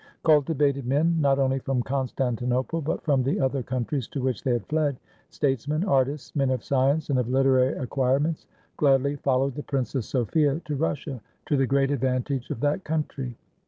Cultivated men, not only from Constantinople, but fronj the other countries to which they had fled, statesmen, artists, men of science and of literary acquirements, gladly followed the Princess Sophia to Russia, to the great advantage of that country.